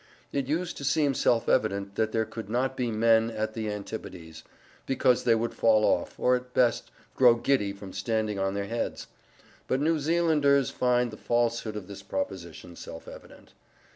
It used to seem self evident that there could not be men at the Antipodes, because they would fall off, or at best grow giddy from standing on their heads. But New Zealanders find the falsehood of this proposition self evident.